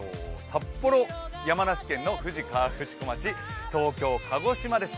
札幌、山梨県の富士河口湖町東京、鹿児島です。